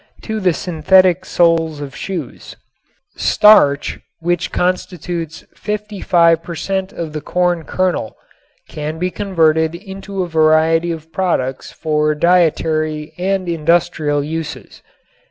to the synthetic soles of shoes. [Illustration: CORN PRODUCTS] Starch, which constitutes fifty five per cent. of the corn kernel, can be converted into a variety of products for dietary and industrial uses.